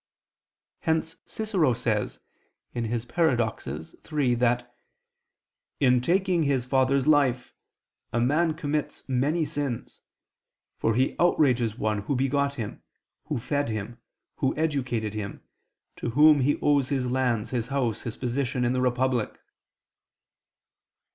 Hence Cicero says (Paradox. iii) that "in taking his father's life a man commits many sins; for he outrages one who begot him, who fed him, who educated him, to whom he owes his lands, his house, his position in the republic."